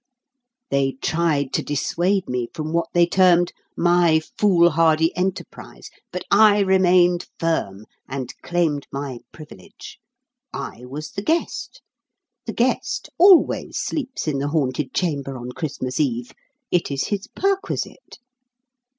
They tried to dissuade me from what they termed my foolhardy enterprise, but I remained firm, and claimed my privilege. I was 'the guest.' 'The guest' always sleeps in the haunted chamber on Christmas Eve; it is his perquisite.